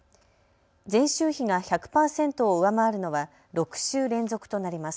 前週比が１００％を上回るのは６週連続となります。